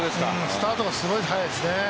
スタートがすごい早いですね。